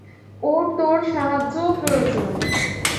ওর তোর সাহায্যও প্রয়োজন।